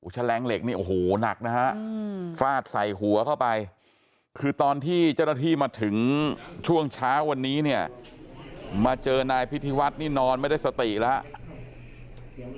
แฉลงเหล็กนี่โอ้โหหนักนะฮะฟาดใส่หัวเข้าไปคือตอนที่เจ้าหน้าที่มาถึงช่วงเช้าวันนี้เนี่ยมาเจอนายพิธีวัฒน์นี่นอนไม่ได้สติแล้ว